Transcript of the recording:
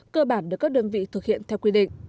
cơ bản được các đơn vị thực hiện theo quy định